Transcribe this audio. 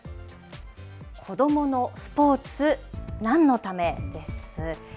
子どものスポーツ、何のためです。